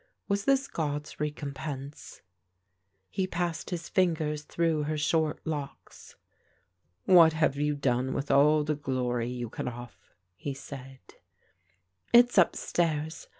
Was this God's recompense? He passed his fingers through her short locks. "What have you done with all the glory you cut off?" he said. "It is upstairs.